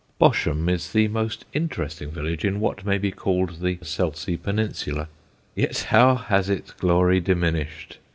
Bosham is the most interesting village in what may be called the Selsey peninsula. Yet how has its glory diminished!